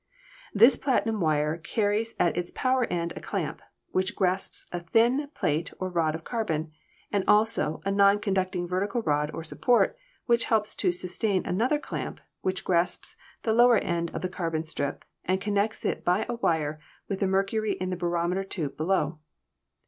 This platinum wire carries at its power end a clamp, which grasps a thin plate or rod of carbon, and also a non conducting vertical rod or support, which helps to sus tain another clamp, which grasps the lower end of the carbon strip and connects it by a wire with the mercury in the barometer tube below.